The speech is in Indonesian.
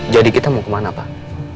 jadi kita mau kemana pak